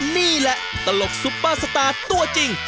นี่แหละตลกซุปเปอร์สตาร์ตัวจริง